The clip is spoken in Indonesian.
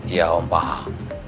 ya om paham